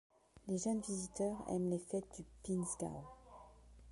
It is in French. Les jeunes visiteurs aiment les fêtes du Pinzgau.